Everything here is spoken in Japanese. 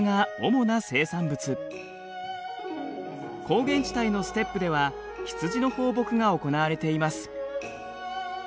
高原地帯のステップでは羊の放牧が行われています。